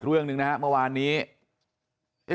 เรื่องหนึ่งนะครับเมื่อวานนี้